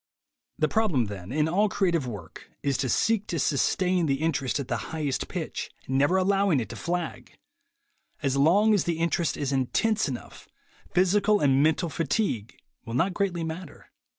The problem, then, in all creative work, is to seek to sustain the interest at the highest pitch, never allowing it to flag. As long as the interest is intense enough, physical and mental fatigue will not greatly matter.